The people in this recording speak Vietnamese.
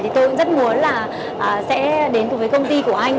tôi cũng rất muốn sẽ đến cùng với công ty của anh